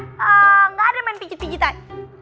engga ada main pijit pijitan